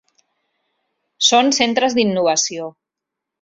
Són centres d'innovació.